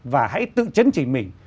và hãy tự chấn chỉnh mình